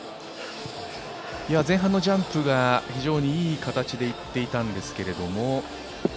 前半のジャンプが非常にいい形でいっていたんですけれども。